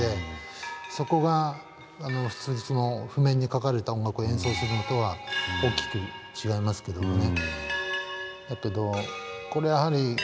そこが譜面に書かれた音楽を演奏するのとは大きく違いますけどもね。